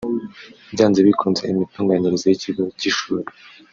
Byanze bikunze imitunganyirize y’ikigo cy’ishuri